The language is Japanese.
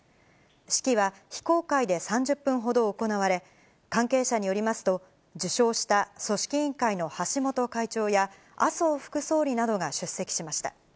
式は非公開で３０分ほど行われ、関係者によりますと、受章した組織委員会の橋本会長や麻生副総理などが出席しました。